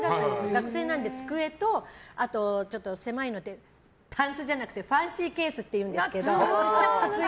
学生なので机と狭いのでたんすじゃなくてファンシーケースっていうんですけど。